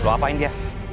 lo apain dia